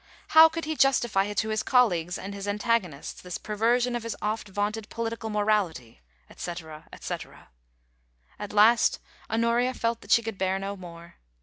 How could he justify to his colleagues and his antagonists this perversion of his oft vaunted political morality?' etc., etc At last Honoria felt that she could bear no more.